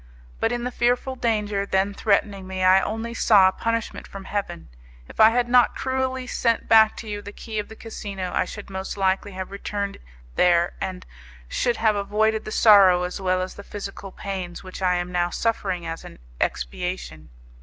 But in the fearful danger then threatening me I only saw a punishment from Heaven. If I had not cruelly sent back to you the key of the casino, I should most likely have returned there, and should have avoided the sorrow as well as the physical pains which I am now suffering as an expiation.